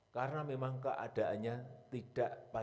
karena memang keadaannya tidak pada